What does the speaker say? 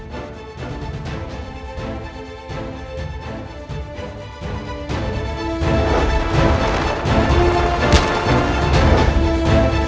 tapi ternyata ini bukan